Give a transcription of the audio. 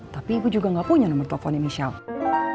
tapi ibu juga gak punya nomer teleponnya michelle